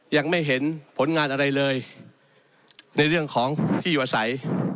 ยังไม่เห็นผลงานอะไรเลยในเรื่องของที่อยู่อาศัย